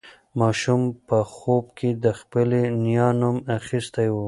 ماشوم په خوب کې د خپلې نیا نوم اخیستی و.